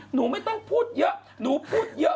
หนูไม่ต้องพูดเยอะหนูพูดเยอะ